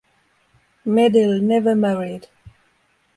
Medill never married.